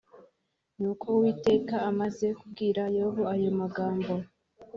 nuko uwiteka amaze kubwira yobu ayo magambo